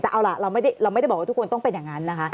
แต่เอาล่ะเราไม่ได้บอกว่าทุกคนต้องเป็นอย่างนั้นนะคะ